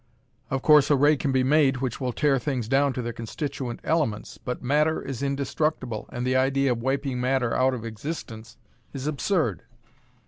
"Of course a ray can be made which will tear things down to their constituent elements, but matter is indestructible, and the idea of wiping matter out of existence is absurd."